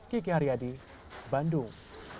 kiki haryadi bandung